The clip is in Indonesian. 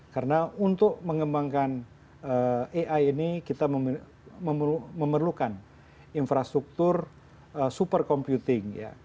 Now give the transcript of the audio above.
karena untuk mengembangkan ai ini kita memerlukan infrastruktur super computing